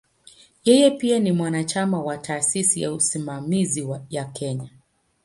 Yeye pia ni mwanachama wa "Taasisi ya Usimamizi ya Kenya".